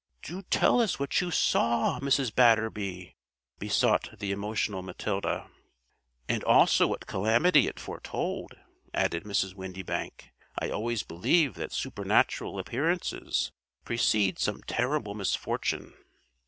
"Do tell us what you saw, Mrs. Batterby," besought the emotional Matilda. "And also what calamity it foretold," added Mrs. Windybank. "I always believe that supernatural appearances precede some terrible misfortune."